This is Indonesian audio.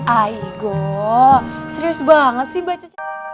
aigo serius banget sih baca